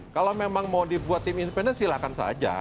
kalau memang mau dibuat tim independen silakan saja